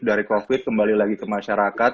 dari covid kembali lagi ke masyarakat